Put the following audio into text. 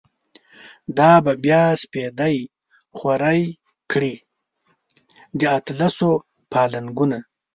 دا به بیا سپیدی خوری کړی، د اطلسو پا لنگونه